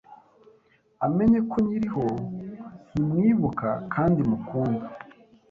amenye ko nkiriho, nkimwibuka kandi mukunda